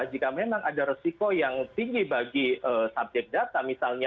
jika memang ada resiko yang tinggi bagi subjek data misalnya